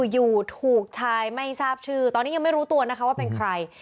อยู่ถูกชายไม่ทราบชื่อตอนนี้ยังไม่รู้ตัวนะคะว่าเป็นใคร